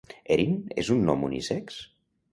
Erin és un nom unisex?